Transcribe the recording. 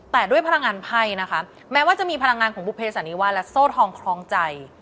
แต่ด้วยพลังงานไพ่นะคะแม้ว่าจะมีพลังงานของบุเภสันนิวาสและโซ่ทองคล้องใจ